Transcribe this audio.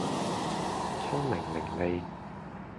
聰明伶俐